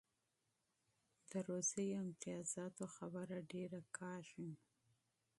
د معاش او امتیازاتو خبره ډېره کیږي.